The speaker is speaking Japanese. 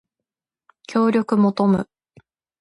協力求む